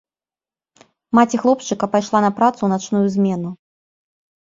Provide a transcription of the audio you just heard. Маці хлопчыка пайшла на працу ў начную змену.